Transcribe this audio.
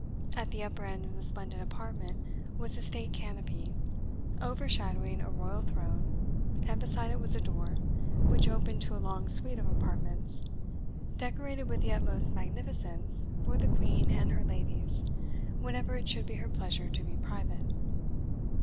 At the upper end of the splendid apartment was a state canopy, overshadowing a royal throne, and beside it was a door, which opened to a long suite of apartments, decorated with the utmost magnificence for the Queen and her ladies, whenever it should be her pleasure to be private.